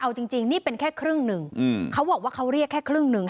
เอาจริงนี่เป็นแค่ครึ่งหนึ่งเขาบอกว่าเขาเรียกแค่ครึ่งหนึ่ง